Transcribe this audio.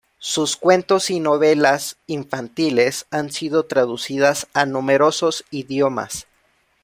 Sus cuentos y novelas infantiles han sido traducidas a numerosos idiomas.